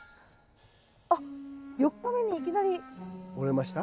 あっ４日目にいきなり。折れました？